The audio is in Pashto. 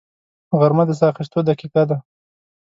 غرمه د ساه اخیستو دقیقه ده